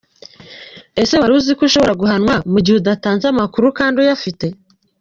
Ese wari uziko ushobora guhanwa mu gihe udatanze amakuru kandi uyafite?.